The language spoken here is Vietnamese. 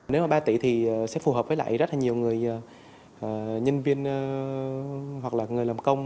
nếu mà ba tỷ thì sẽ phù hợp với lại rất là nhiều người nhân viên hoặc là người làm công